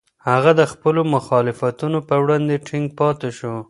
هغه د خپلو مخالفتونو په وړاندې ټینګ پاتې شو.